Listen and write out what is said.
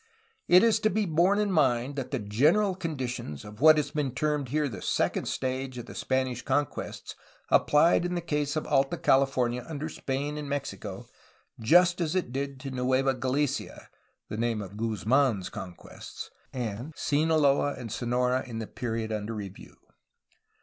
It is to be borne in mind that the general conditions of what has been termed here the second stage of the Spanish conquests appUed in the case of Alta California under Spain and Mexico, just as it did to Nueva Galicia (the name of Guz man's conquests), Sinaloa, and Sonora in the period under review.